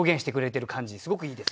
すごくいいですよね。